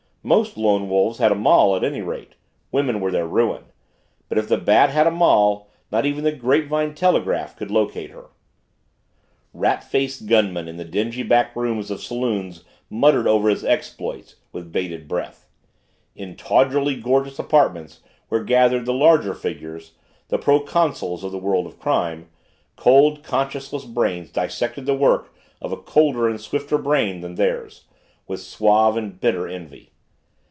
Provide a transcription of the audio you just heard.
Most lone wolves had a moll at any rate women were their ruin but if the Bat had a moll, not even the grapevine telegraph could locate her. Rat faced gunmen in the dingy back rooms of saloons muttered over his exploits with bated breath. In tawdrily gorgeous apartments, where gathered the larger figures, the proconsuls of the world of crime, cold, conscienceless brains dissected the work of a colder and swifter brain than theirs, with suave and bitter envy.